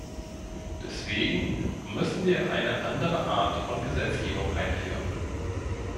Deswegen müssen wir eine andere Art von Gesetzgebung einführen.